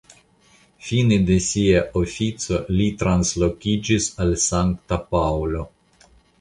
Fine de sia ofico li translokiĝis al Sankta Paŭlo.